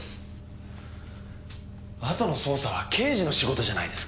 あとの捜査は刑事の仕事じゃないですか。